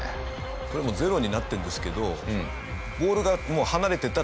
これもうゼロになってるんですけどなるほど。